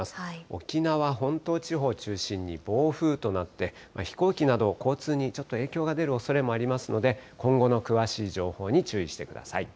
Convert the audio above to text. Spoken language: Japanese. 沖縄本島地方中心に暴風となって、飛行機など、交通にちょっと影響が出るおそれもありますので、今後の詳しい情報に注意してください。